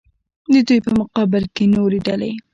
د دوی په مقابل کې نورې ډلې.